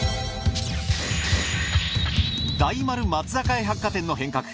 大丸松坂屋百貨店の変革